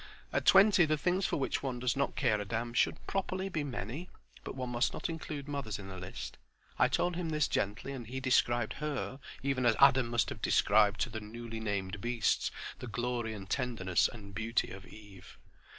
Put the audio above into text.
At twenty the things for which one does not care a damn should, properly, be many, but one must not include mothers in the list. I told him this gently; and he described Her, even as Adam must have described to the newly named beasts the glory and tenderness and beauty of Eve.